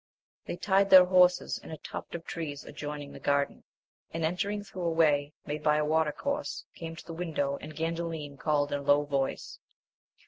They tied their horses in a tuft of trees adjoining the garden, and entering through a way made by a watercourse, came to the window, and Gandalin called in a low voice.